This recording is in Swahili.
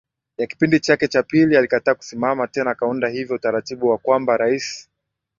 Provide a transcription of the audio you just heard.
ya kipindi chake cha pili alikataa kusimama tena akaunda hivyo utaratibu wa kwamba rais